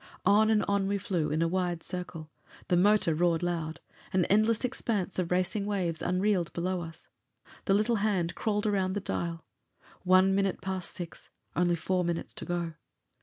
On and on we flew, in a wide circle. The motor roared loud. An endless expanse of racing waves unreeled below us. The little hand crawled around the dial. One minute past six. Only four minutes to go.